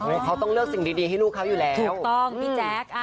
เขาต้องเลือกสิ่งดีให้ลูกเขาอยู่แล้วถูกต้องพี่แจ๊ค